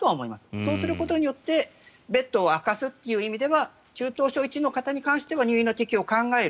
そうすることでベッドを空けるという意味では中等症１に関しては入院適用を考える。